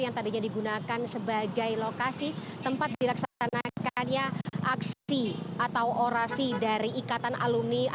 yang tadinya digunakan sebagai lokasi tempat dilaksanakannya aksi atau orasi dari ikatan alumni